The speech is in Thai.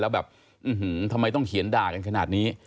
แล้วแบบทำไมต้องเขียนด่ากันขนาดนี้